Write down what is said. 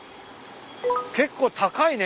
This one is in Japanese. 結構高いね。